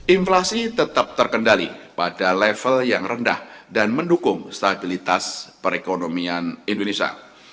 inflasi tetap terkendali pada level yang rendah dan mendukung stabilitas perekonomian indonesia